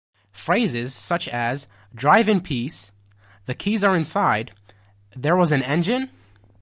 Phrases such as, 'Drive in peace, the keys are inside,' 'There was an engine?